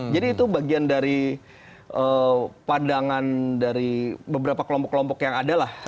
jadi itu bagian dari pandangan dari beberapa kelompok kelompok yang ada lah